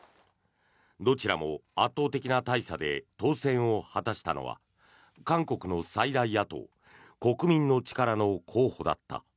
どちらも圧倒的な大差で当選を果たしたのは韓国の最大野党・国民の力の候補だった。